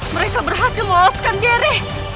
mereka berhasil melewaskan diri